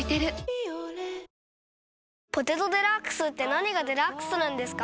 「ビオレ」「ポテトデラックス」って何がデラックスなんですか？